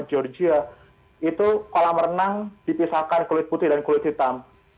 georgia itu kolam renang dipisahkan kulit putih dan kulit hitam